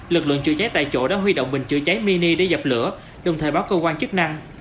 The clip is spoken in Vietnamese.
lực lượng chữa cháy tại chỗ đã huy động bình chữa cháy mini để dập lửa đồng thời báo cơ quan chức năng